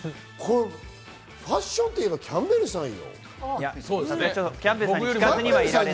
ファッションといえば、キャンベルさんよ。